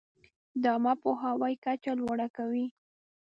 د عامه پوهاوي کچه لوړه کوي.